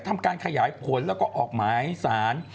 ทำการขยายผลแล้วก็ออกหมายสาร